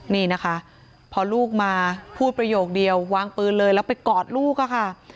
นี่นะคะพอลูกมาพูดประโยคเดียววางปืนเลยแล้วไปกอดลูกอะค่ะ